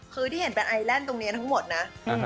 คือที่เหมือนเเตอร์ไอแตล้นตรงนี้ทั้งหมดนะ